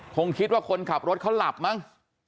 คงคิดว่าคนขับรถเขาหลับมั้ง